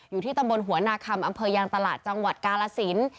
อยู่ที่ตำบลหัวนาคำอำเภอยางตลาดจังหวัดกาลสิน